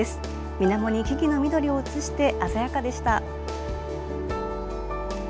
みなもに木々の緑を映して鮮やかでした。